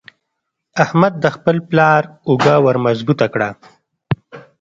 احمد د خپل پلار اوږه ور مضبوطه کړه.